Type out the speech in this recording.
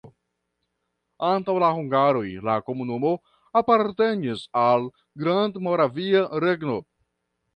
Antaŭ la hungaroj la komunumo apartenis al Grandmoravia Regno.